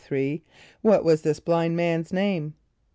= What was this blind man's name?